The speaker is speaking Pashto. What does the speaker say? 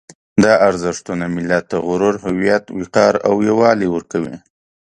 دا ارزښتونه ملت ته غرور، هویت، وقار او یووالی ورکوي.